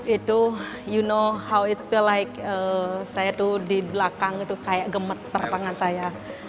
itu you know how it's feel like saya tuh di belakang itu kayak gemetar tangan saya